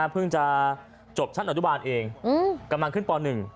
เพิ่งจะจบชั้นอนุบาลเองกำลังขึ้นป๑